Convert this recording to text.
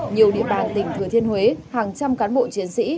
nhiều địa bàn tỉnh thừa thiên huế hàng trăm cán bộ chiến sĩ